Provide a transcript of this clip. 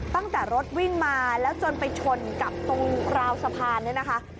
ตั้งแต่รถวิ่งมาแล้วจนไปชนกับตรงราวสะพานเนี่ยนะคะ